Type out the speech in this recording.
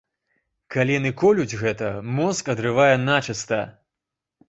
Калі яны колюць гэта, мозг адрывае начыста.